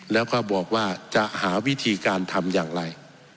แล้วก็บอกว่าจะหาวิธีการทำอย่างไร